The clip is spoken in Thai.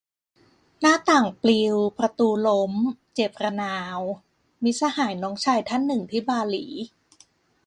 หน้าต่างปลิว ประตูล้ม เจ็บระนาว - มิตรสหายน้องชายท่านหนึ่งที่บาหลี